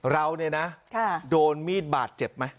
เราเนี่ยนะโดนมีดบาดเจ็บไหม